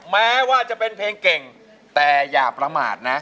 แม้ว่าจะเป็นเพลงเก่งแต่อย่าประมาทนะ